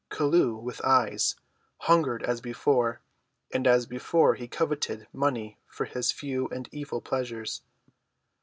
Chelluh, with eyes, hungered as before, and as before he coveted money for his few and evil pleasures.